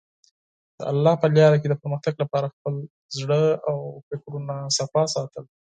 د الله په لاره کې د پرمختګ لپاره خپل زړه او فکرونه پاک ساتل.